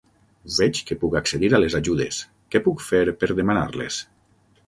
Veig que puc accedir a les ajudes, què puc fer per demanar-les?